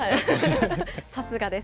さすがです。